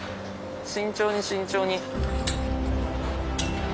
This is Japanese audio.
慎重に慎重に。